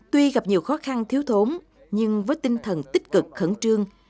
tuy gặp nhiều khó khăn thiếu thốn nhưng với tinh thần tích cực khẩn trương